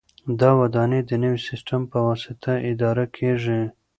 دا ودانۍ د نوي سیسټم په واسطه اداره کیږي.